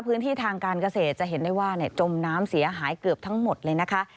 พื้นที่ทางการเกษตรจะเห็นได้ว่าจมน้ำเสียหายเกือบทั้งหมดเลยนะคะ